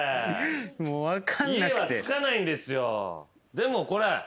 でもこれ。